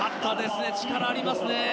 力ありましたね。